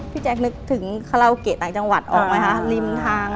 แจ๊คนึกถึงคาราโอเกะต่างจังหวัดออกไหมคะริมทาง